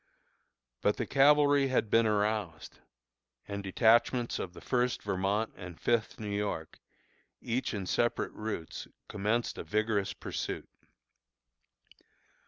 But the cavalry had been aroused, and detachments of the First Vermont and Fifth New York, each in separate routes, commenced a vigorous pursuit.